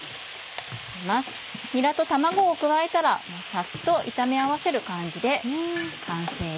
にらと卵を加えたらサッと炒め合わせる感じで完成です。